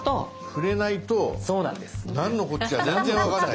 触れないとなんのこっちゃ全然分からない。